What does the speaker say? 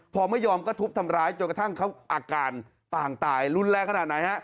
พอไม่ยอมก็ทุบทำร้ายจนกระทั่งเขาอาการปางตายรุนแรงขนาดไหนฮะ